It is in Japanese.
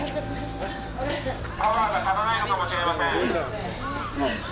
パワーが足らないのかもしれません。